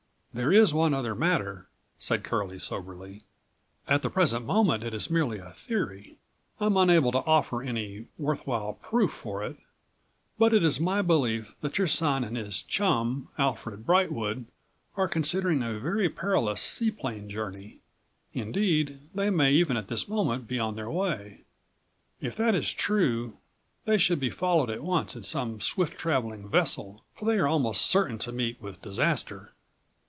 "110 "There is one other matter," said Curlie soberly. "At the present moment it is merely a theory. I am unable to offer any worth while proof for it, but it is my belief that your son and his chum, Alfred Brightwood, are considering a very perilous seaplane journey. Indeed, they may even at this moment be on their way. If that is true they should be followed at once in some swift traveling vessel, for they are almost certain to meet with disaster."